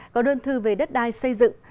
có đơn thư về đất đai xây dựng